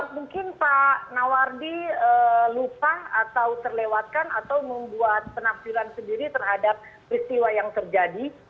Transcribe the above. mungkin pak nawardi lupa atau terlewatkan atau membuat penampilan sendiri terhadap peristiwa yang terjadi